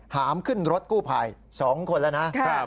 หามขึ้นรถกู้ภัย๒คนแล้วนะ